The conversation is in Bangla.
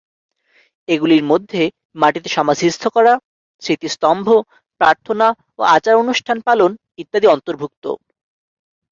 এগুলির মধ্যে মাটিতে সমাধিস্থ করা, স্মৃতিস্তম্ভ, প্রার্থনা ও আচার-অনুষ্ঠান পালন, ইত্যাদি অন্তর্ভুক্ত।